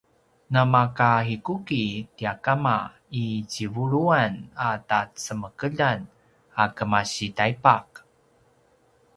namakahikuki tia kama i tjivuluan a tacemekeljan a kemasi taipaq